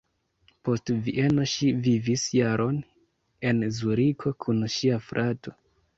Post Vieno ŝi vivis jaron en Zuriko kun ŝia frato.